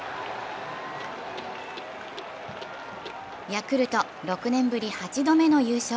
ヤクルト、６年ぶり８度目の優勝。